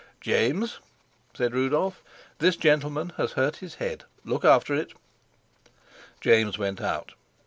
"James," said Rudolf, "this gentleman has hurt his head. Look after it." James went out.